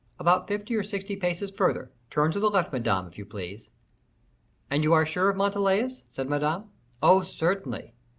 "About fifty or sixty paces further; turn to the left, Madame, if you please." "And you are sure of Montalais?" said Madame. "Oh, certainly."